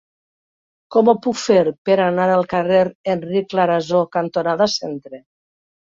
Com ho puc fer per anar al carrer Enric Clarasó cantonada Centre?